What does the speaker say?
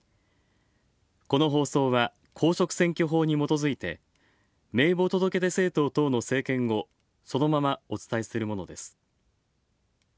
この放送は公職選挙法にもとづいて名簿届出政党等の政見をそのままお伝えするものです。